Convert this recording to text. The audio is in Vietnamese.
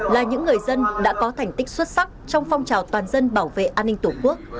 là những người dân đã có thành tích xuất sắc trong phong trào toàn dân bảo vệ an ninh tổ quốc